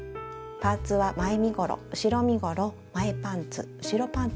パーツは前身ごろ後ろ身ごろ前パンツ後ろパンツ